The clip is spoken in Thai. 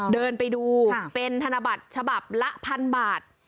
เดินไปดูเป็นธนบัตรฉบับละพันบาท